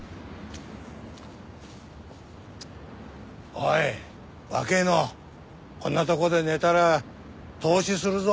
おい若えのこんな所で寝たら凍死するぞ。